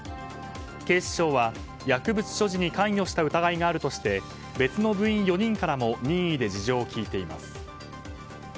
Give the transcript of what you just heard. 警視庁は薬物所持に関与した疑いがあるとして別の部員４人からも任意で事情を聴いています。